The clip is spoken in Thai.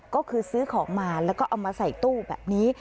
ก็คือซื้อของมาแล้วก็เอามาใส่ตู้แบบนี้